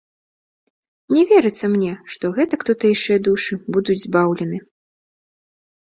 Не верыцца мне, што гэтак тутэйшыя душы будуць збаўлены.